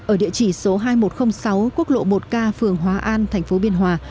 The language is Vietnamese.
ở địa chỉ số hai nghìn một trăm linh sáu quốc lộ một k phường hóa an thành phố biên hòa